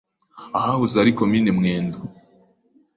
ahahoze ari comine mwendo